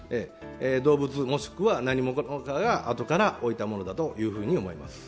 動物、もしくは何者かがあとから置いたものだというふうに思います。